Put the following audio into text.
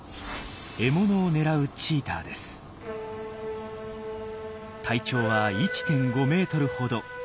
獲物を狙う体長は１．５メートルほど。